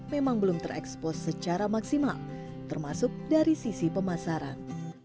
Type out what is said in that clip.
memang belum terekspos secara maksimal termasuk dari sisi pemasaran